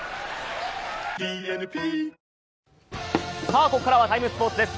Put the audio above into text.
さあここからは「ＴＩＭＥ，スポーツ」です。